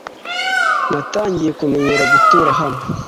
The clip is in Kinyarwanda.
Ntangiye kumenyera gutura hano.